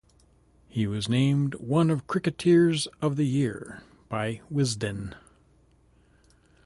He was named one of Cricketers of the Year by "Wisden".